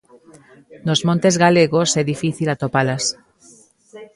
Nos montes galegos é difícil atopalas.